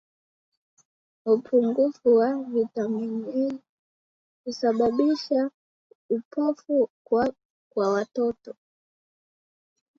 Upungufu wa vitamini A husababisha upofu kwa watoto